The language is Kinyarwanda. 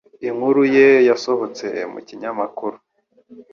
Inkuru ye yasohotse mu kinyamakuru.